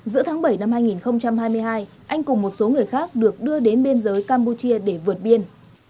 giữa tháng bảy năm hai nghìn hai mươi hai anh cùng một số người khác được đưa đến biên giới campuchia để vượt biên